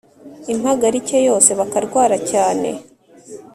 impagarike yose bakarwara cyane